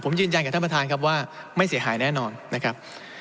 ผมยืนยันกับท่านประธานครับว่าไม่เสียหายแน่นอนนะครับ